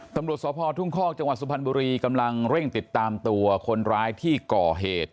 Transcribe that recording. ตำรวจสภทุ่งคอกจังหวัดสุพรรณบุรีกำลังเร่งติดตามตัวคนร้ายที่ก่อเหตุ